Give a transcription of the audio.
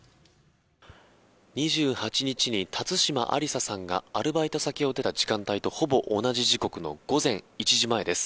２８日に辰島ありささんがアルバイト先を出た時間帯とほぼ同じ時刻の午前１時前です。